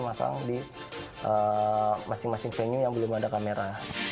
masang di masing masing venue yang belum ada kamera